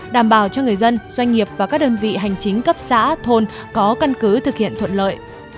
đảm bảo cho người dân doanh nghiệp và các đơn vị hành chính cấp xã thôn có căn cứ thực hiện thuận lợi